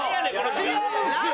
違うんすよ！